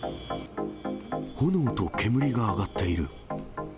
炎と煙が上がっている。